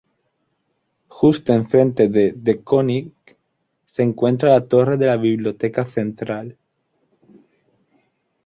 Justo enfrente de De-Koninck se encuentra la torre de la biblioteca central.